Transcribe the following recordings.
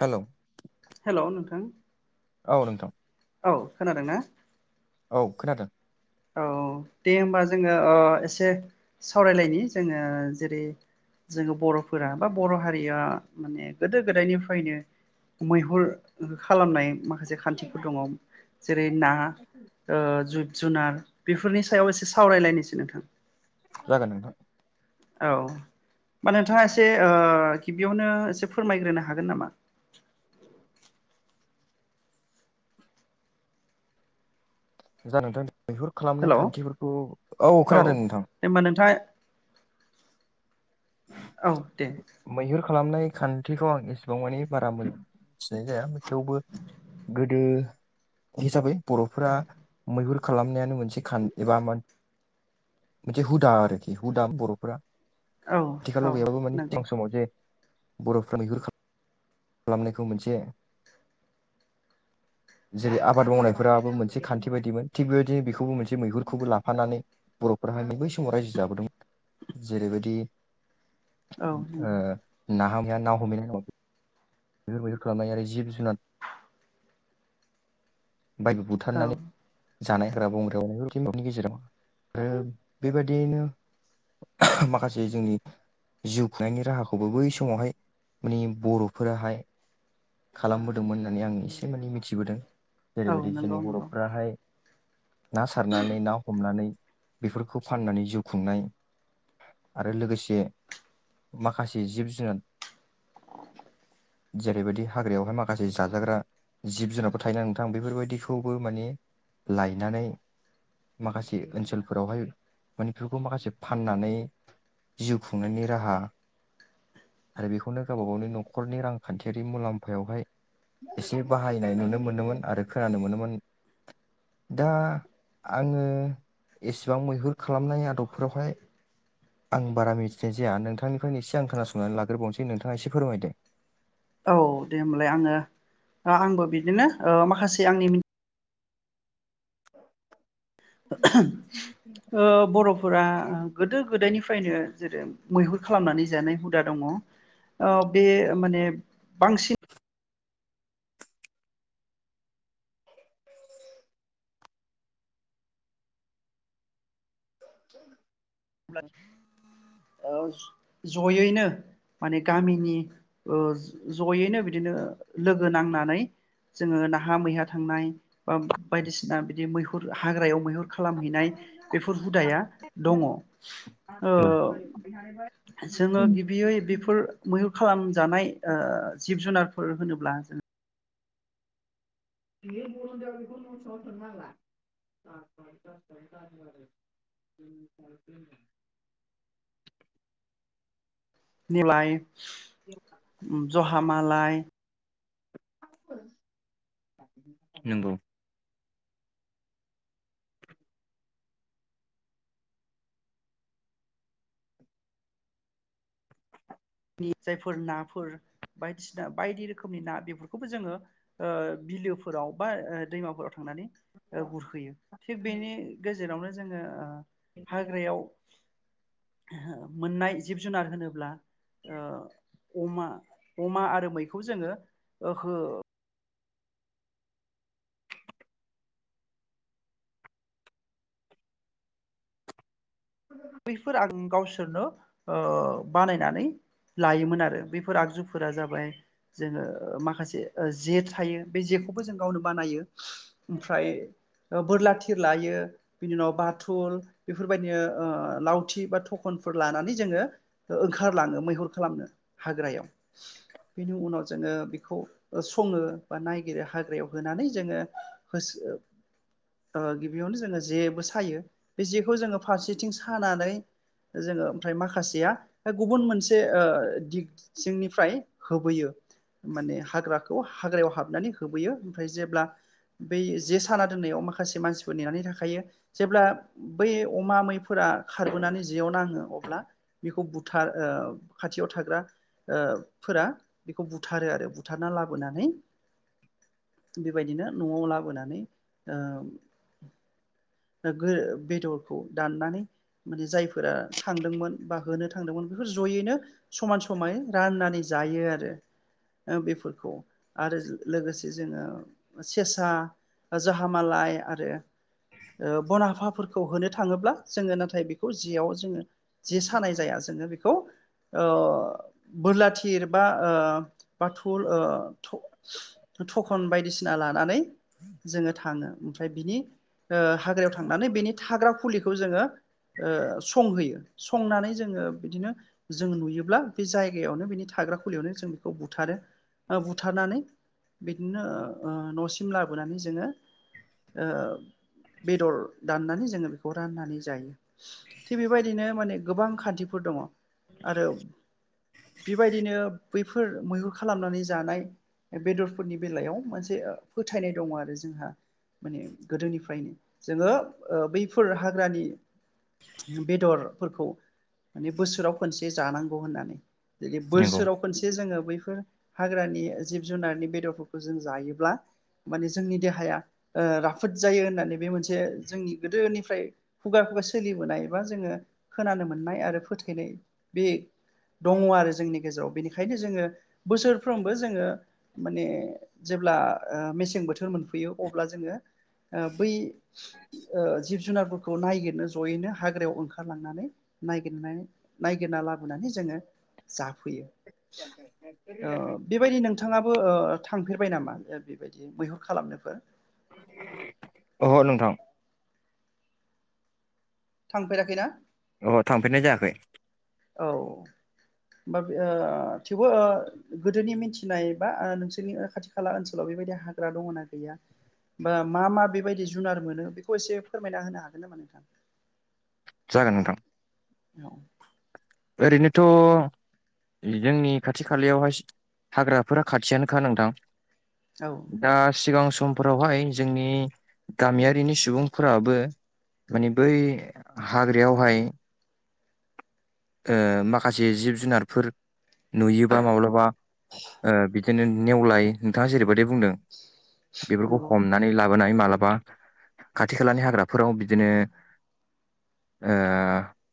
हेल' hello नोंथां औ नोंथां औ खोनादों ना? औ खोनादों। औ दे होनबा जोङो ओ एसे सावरायलायनि जोङो जेरै जोङो बर'फोरा बा बर' हारिया माने गोदो-गोदायनिफ्रायनो मैहुर खालामनाय ओ मा खासे खान्थिफोर दङ जेरै ना ओ जु जुनार बेफोरनि सायाव एसे सावरायलायनोसै नोंथां। जागोन नोंथां। औ होमबा नोंथाङा एसे ओ गिबियावनो एसे फोरमायग्रोनो हागोन नामा? जागोन नोंथां। मैहुर खालामनाय हेलौ खान्थिफोरखौ औ खोनादों नोंथां दे होमबा नोंथाङा औ दे मैहुर खालामनाय खान्थिखौ आं एसेबां मानि बारा मिथिनाय जाया थेवबो गोदो हिसाबै बरफोरा मैहुर खालामनायानो मोनसे खान एबा मा मोनसे हुदा आरोखि हुदा बरफोरा औ औ आथिखालाव गैबाबो माने नंगौ सिगां समाव जे बरफ्रा मैहुर खालाम खालामनायखौ मोनसे जेरै आबाद मावनायफ्राबो मोनसे खान्थि बायदिमोन थिग बेबायदिनो बेखौबो मोनसे मैहुरखौबो लाफानानै बरफोरा नै बै समाव रायजो जाबोदोंमोन जेरैबायदि औ ओ नंगौ नाहा मै हा ना हमहैनाय दं बि बफोरबायदि खालामनाय आरो जिब-जुनार बायदि औ बुथारनानै जानाय हाग्रा बंग्राआव बेफोरनि गेजेराव आरो बेबाददियैनो माखासे जोंनि जिउ खुंनायनि राहाखौबो बै समावहाय माने बरफोराहाय खालामबोदोंमोन होननानै आं एसे माने मिथिबोदों औ जेरैबायदि नंगौ जोनि नंगौ बरफ्राहाय ना सारनानै ना हमनानै बेफोरखौ फाननानै जिउ खुंनाय आरो लोगोसे माखासे जिब जुनार जेरैबायदि हाग्रायावहाय माखासे जाजाग्रा जिब जुनारफोर थायोना नोंथां बेफोरबायदिखौबो माने लायनानै माखासे ओनसोलफोरावहाय माने बेफोरखौ माखासे फाननानै जिउ खुंनायनि राहा आरो बेखौनो गावबा गावनि नखरनि रांखान्थियारि मुलाम्फायावहाय एसे बाहायनाय नुनो मोनोमोन। आरो खोनानो मोनोमोन दा आङो एसेबां मैहुर खालामनाय आदब फोरावहाय आं बारा मिथिनाय जाया नोंथांनिफ्रायनो एसे आं खोनासंनानै लाग्रोबावनोसै नोंथाङा एसे फोरमायदो औ दे होमबालाय आङो आंबो बिदिनो माखासे आंनि [inaudible] ओ बरफोरा गोदो गोदायनिफ्राय फ्रायनो जेरै मैहुर खालामनानै जानाय हुदा दङ बे माने बांसिन [inaudible] अब्ला जयैनो माने गामिनि जयैनो बिदिनो लोगो नांनानै जोङो नाहा मैहा थांनाय बा बायदिसिना बिदि मैहुर हाग्रायाव मैहुर खालामहैनाय बेफोर हुदाया दङ ओ औ जोङो गिबियै बेफोर मैहुर खालाम जानाय ओ जिब जुनारफोर होनोब्ला जों [inaudible] नेवलाय जहा मालाय [inaudible] नंगौ जोंनि जायफोर नाफोर बायदिसिना बायदि रोखोमनि ना बेफोरखौबो जोङो ओ बिलोफोराव बा दैमाफोराव थांनानै गुरहैयो थिग बेनि गेजे गेजेरावनो जोङो ओ हाग्रायाव मोननाय जिब जुनार होनोब्ला ओ अमा अमा आरो मैखौ जोङो हो बैफोर आं गावसोरनो ओ बानायनानै लायोमोन आरो बेफोर आगजुफोरा जाबाय जोङो माखासे जे थायो बे जेखौबो जों गावनो बानायो ओमफ्राय बोरला थिर लायो बिनि उनाव बाथुल बेफोरबायदिनो ओ लावथि बा थखनफोर लानानै जोङो ओंखारलाङो मैहुर खालामनो। हाग्रायाव बेनि उनाव जोङो खौ सङो बा नागिरो हाग्रायाव होनानै जोङो, होसो ओ गिबियावनो जोङो जेबो सायो बे जेखौ जो फारसे थिं सानानै जोङो ओमफ्राय माखासेया गुबुन मोनसे ओ दिग सिंनिफ्राय होबोयो माने हाग्राखौ हाग्रायाव हाबनानै होबोयो ओमफ्राय जेब्ला बै जे साना दोननायाव माखासे मानसिफोर नेनानै थाखायो। जेब्ला बै अमा मैफोर फोरा खारबोनानै जेयाव नाङो अब्ला बेखौ बुथार ओ खाथियाव थाग्रा ओ फोरा बेखौ बुथारो आरो बुथारना लाबोनानै बेबायदिनो न'आव लाबोनानै ओ बेदरखौ दाननानै। माने जायफोरा थांदोंमोन बा होनो थांदोंमोन बेफोर ज'यैनो समान समानै राननानै जायो आरो, बेफोरखौ आरो लोगोसे जोङो सेसा जाहा मालाय आरो बनहाफाफोरखौ। खौ होनो थाङोब्ला। जोङो नाथाय बेखौ जियाव जोङो। जे सानाय जाया जोङो बेखौ। बोरलाथिर बा बाथौ थखन बायदिसिना लानानै जोङो थाङो ओमफ्राय बिनि हाग्रायाव थांनानै बेनि थाग्रा खुलिखौ बेखौ जोङो संहोयो संनानै जोङो बिदिनो जों नुयोब्ला बे जायगायावनो बिनि थाग्रा खुलियावनो जों बेखौ बुथारो बुथारनानै बिदिनो न'सिम लाबोनानै जोङो बेदर दाननानै जोङो खौ राननानै जायो। थिग बेबायदिनो माने गोबां खान्थिफोर दङ आरो बेबायदिनो बैफोर मैहुर खालामनानै जानाय बेदरफोरनि बेलायाव मोनसे फोथायनाय दङ आरो जोंहा माने गोदोनिफ्रायनो। जोङो बै फोर हाग्रानि बेदर फोरखौ माने बोसोराव खनसे जानांगौ होननानै। जै नंगौ। बोसोराव खनसे जोङो बै हाग्रानि जिब जुनारनि बेदरफोरखौ जों जायोब्ला माने जोंनि देहाया राफोद जायो होननानै बे मोनसे जोंनि गोदोनि फ्राय खुगा खुगा सोलिबोनाय बा जोङो खोनानो मोननाय आरो फोथाइनाय बे दङ आरो, जोंनि गेजेराव बेनिखायनो जोङो बोसोरफ्रोमबो जोङो माने जेब्ला मेसें बोथोर मोनफैयो अब्ला जोङो बै जिब जुनारफोरखौ नायगिरनो ज'यैनो हाग्रायाव ओंखारलांनानै नायगिरना लाबोनानै जोङो जाफैयो। बेबायदि नोंथाङा बो थांफेरबाय नामा बेबायदि मैहुर खालामनोफोर? अह नोंथां। थांफेराखैना? अ थांफेरनाय जायाखै। औ होमबा थेवबो गोदोनि मिथिनाय बा नोंसोरनि खाथि खाला ओनसोलाव बेबायदि हाग्रा दङ ना गैया बा मा मा बेबायदि जुनार मोनो बेखौ एसे फोरमायना होनो हागोन नामा नोंथां? जागोन नोंथां औ ओरैनोथ' जोंनि खाथि खालायावहाय हाग्राफोरा खाथियानोखा नोंथां औ दा सिगां सम समफोरावहाय जोंनि गामियारिनि सुबुंफोराबो माने बै हाग्रायावहाय ओ माखासे जिब जुनारफोर नुयोबा माब्लाबा ओ बिदि बिदिनो नेवलाय नोंथाङा जेरैबायदि बुंदों बेफोरखौ नंगौ हमनानै लाबोनानै मालाब बा खाथि खालानि हाग्राफोराव बिदिनो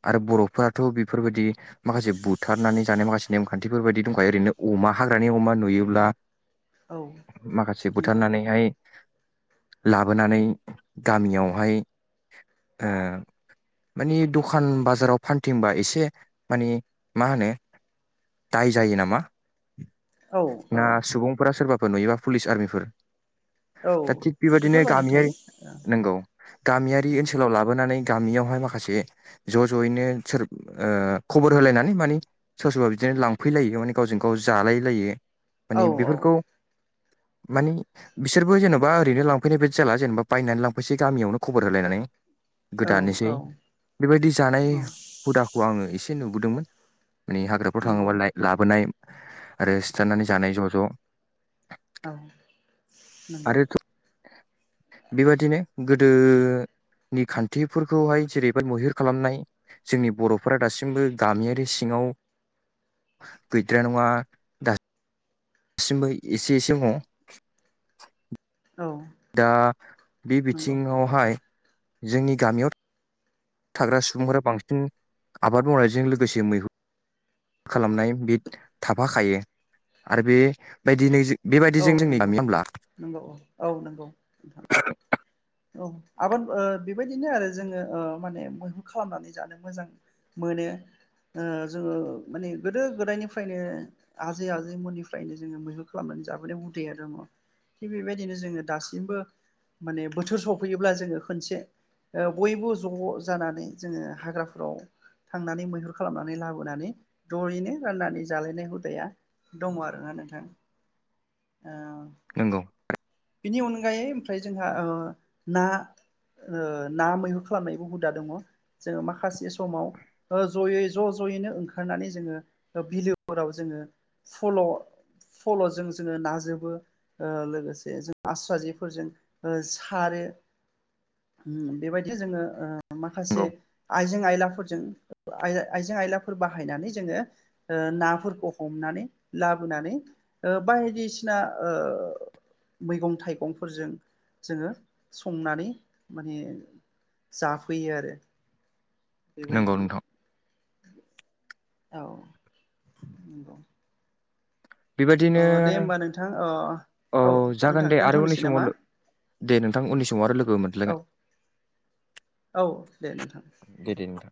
आरो बर'फोराथ' बेफोरबायदि माखासे बुथारनानै जानाय माखासे नेमखान्थिफोर बायदि दंखायो ओरैनो अमा हाग्रानि अमा नुयोब्ला औ माखासे नंगौ बुथारनानैहाय लाबोनानै गामियावहाय माने ओ दखान बाजाराव फानथिंबा एसे एसे माने मा होनो दाय जायो नामा औ औ ना सुबुंफोरा सोरबा फोर नुयोबा पुलिस आर्मिफोर औ दा थिग बेबादिनो बेफोरबायदि गामियारि थायो नंगौ गामियारि औ ओनसोलाव लाबोनानै गामियावहाय माखासे ज' ज'यैनो सोर ओ खबर होलायनानै माने सोर सोरबा बिदिनो लांफैलायो माने गावजों गाव जालाय लायो। औ माने बेफोरखौ मानि बिसोरबो जेनेबा ओरैनो लांफैनाय बादि जाला जेनेबा बायनानै लांफैसै गामियावनो खबर होलायनानै औ औ गोदानोसै बेबायदि जानाय औ हुदाखौ आङो एसे नु गुदुंमोन माने हाग्राफ्राव नंगौ थाङोबा लायक लाबोनाय आरो सिथारनानै जानाय ज' ज' औ नंगौ आरो बेबादिनो गोदो नि खान्थिफोरखौहाय जेरैबादि मैहुर खालामनाय जोंनि बर'फोरा दासिमबो गामियारि सिङाव गैद्राया नङा दा सिमबो एसे एसे ह औ दा बे नंगौ बिथिङावहाय जोंनि गामियाव थाग्रा सुबुंफोरा बांसिन आबाद मावनायजों लोगोसे मैहुर खालामनाय बे थाफाखायो आरो बेबायदिनो औ बेबायदिजों जोंनि नंगौ गामि नंगौ होमब्ला नंगौ औ औ नंगौ नोंथां। औ आबोद ओ बेबायदिनो आरो जोङो ओ माने मैहुर खालामनानै जानो मोजां मोनो ओ जोङो माने गोदो गोदायनिफ्रायनो आजै आजैमोननिफ्रायनो जोङो मैहुर खालामनानै जाबोनाय हुदैया दङ थिग बेबायदिनो जोङो दासिमबो माने बोथोर सफैयोब्ला जोङो खोनसे ओ बयबो ज' जानानै जोङो हाग्राफोराव थांनानै मैहुर खालामनानै लाबोनानै जयैनो राननानै जालायनाय हुदाया दङ आरोना नोंथां। ओ नंगौ बिनि अनगायै ओमफ्राय जोंहा ओ ना ओ ना मैहुर खालामनायबो हुदा दङ जोङो माखासे समाव ओ ज'यै ज' ज'यैनो ओंखारनानै जोङो ओ बिलोफोराव जोङो फल' फल'जों जोङो ना जोबो ओ लोगोसे जे जों आस्रा जेफोरजों ओ सारो उम बेबायदि जोङो ओ माखासे नंगौ आइजें आयलाफोरजों आयला आइजें आयलाफोर बाहायनानै जोङो ओ नाफोरखौ हमनानै लाबोनानै ओ बायदिसिना ओ मैगं थाइगंफोरजों जोङो संनानै माने जाफैयो आरो नंगौ बेबायदि। नोंथां औ नंगौ। बेबायदिनो अ दे होमबा नोंथां अ औ जागोन नोंथां दे आरो उननि दोनथ'नोसै नामा समाव दे नोंथां उननि समाव आरो लोगो औ मोनज्लायगोन औ दे नोंथां दे दे नोंथां।